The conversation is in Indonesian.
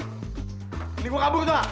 ini gue kabur tau gak